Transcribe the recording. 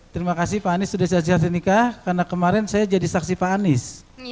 terima kasih pak anies sudah selesai nikah karena kemarin saya jadi saksi pak anies